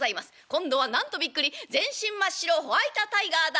今度はなんとびっくり全身真っ白ホワイトタイガーだ。